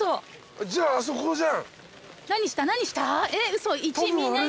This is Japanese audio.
じゃああそこじゃん。